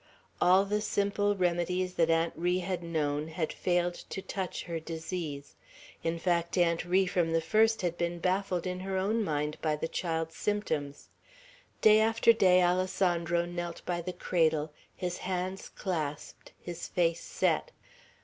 All the simple remedies that Aunt Ri had known, had failed to touch her disease; in fact, Aunt Ri from the first had been baffled in her own mind by the child's symptoms. Day after day Alessandro knelt by the cradle, his hands clasped, his face set.